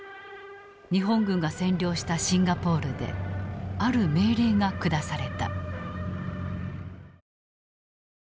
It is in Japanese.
日本軍が占領したシンガポールである命令が下された。